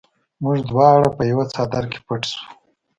موږ دواړه په یوه څادر کې پټ شوو